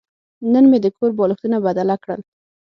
نن مې د کور بالښتونه بدله کړل.